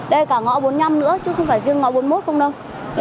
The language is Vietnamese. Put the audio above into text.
đây là cả ngõ bốn mươi năm nữa chứ không phải riêng ngõ bốn mươi một không đâu